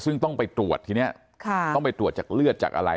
ซึ่งต้องไปตรวจทีนี้ต้องไปตรวจจากเลือดจากอะไร